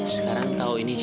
sekarang tau ini siapa ya